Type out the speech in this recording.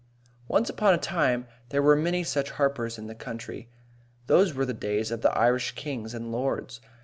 Once upon a time there were many such harpers in the country. Those were the days of the Irish kings and lords.